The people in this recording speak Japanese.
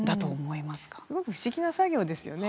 すごく不思議な作業ですよね。